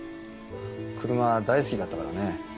車大好きだったからね。